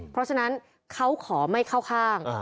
เพราะฉะนั้นเขาขอไม่เข้าข้าง